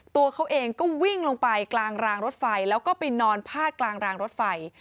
ตัวเขาเองก็วิ่งลงไปกลางรางรถไฟแล้วก็ไปนอนพาดกลางรางรถไฟ